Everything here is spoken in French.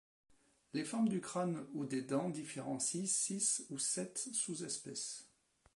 Les formes du crâne ou des dents différencient six ou sept sous-espèces.